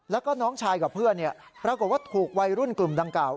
แล้วก็น้องชายกับเพื่อนปรากฏว่าถูกวัยรุ่นกลุ่มดังกล่าว